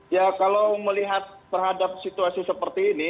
ya kalau melihat terhadap situasi seperti ini